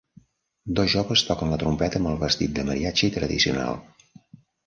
Dos joves toquen la trompeta amb el vestit de mariachi tradicional.